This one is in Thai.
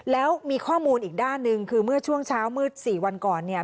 แล้วมีข้อมูลอีกด้านหนึ่งคือเมื่อช่วงเช้ามืดสี่วันก่อนเนี่ย